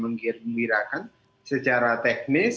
mengembirakan secara teknis